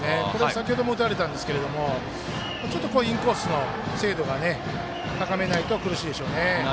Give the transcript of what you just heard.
先ほども打たれたんですがちょっとインコースの精度が高めないと苦しいでしょうね。